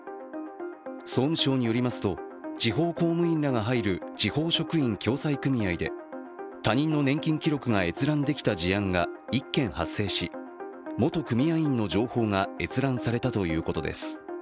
総務省によりますと地方公務員らが入る地方職員共済組合で他人の年金記録が閲覧できた事案が１件確認され元組合員の情報が閲覧されたということです。